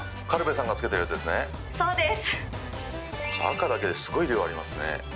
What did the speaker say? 赤だけですごい量ありますね。